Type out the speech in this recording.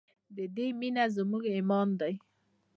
د دې مینه زموږ ایمان دی